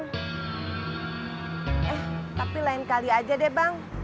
eh tapi lain kali aja deh bang